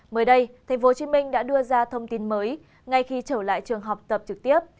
mới đây tp hcm đã đưa ra thông tin mới ngay khi trở lại trường học tập trực tiếp